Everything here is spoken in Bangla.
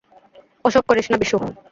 ওসব করিস না, বিশু।